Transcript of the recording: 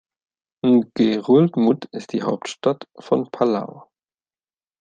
Ngerulmud ist die Hauptstadt von Palau.